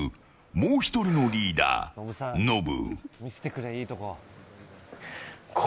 もう１人のリーダー、ノブ。